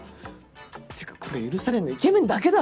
ってかこれ許されんのイケメンだけだろ？